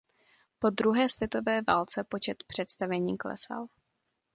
Po druhé světové válce počet představení klesal.